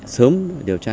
sớm điều tra